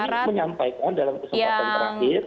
kali itu kami menyampaikan dalam kesempatan terakhir